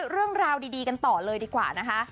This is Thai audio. เรื่องราวดีกันต่อเลยดีกว่านะคะ